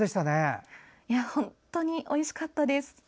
本当においしかったです。